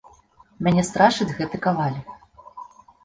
Мяне страшыць гэты каваль.